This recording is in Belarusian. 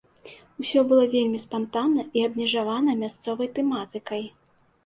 Усё было вельмі спантанна і абмежавана мясцовай тэматыкай.